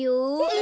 え！